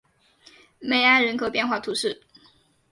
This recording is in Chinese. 梅埃人口变化图示